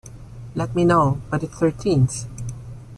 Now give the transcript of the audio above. Let me know by the thirteenth.